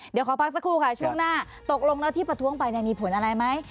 เดี๋ยวขอพักสักครู่ค่ะช่วงหน้าตกลงแล้วที่ประท้วงไปมีผลอะไรไหม